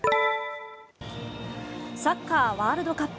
サッカーワールドカップ。